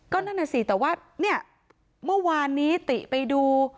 นั่นน่ะสิแต่ว่าเนี่ยเมื่อวานนี้ติไปดู